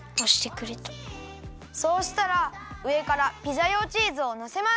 そうしたらうえからピザ用チーズをのせます。